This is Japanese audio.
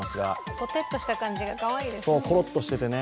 ポテッとした感じがかわいいですね。